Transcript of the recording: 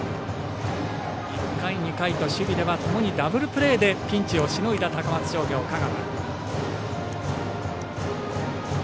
１回、２回と守備ではともにダブルプレーでピンチをしのいだ高松商業、香川。